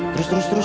terus terus terus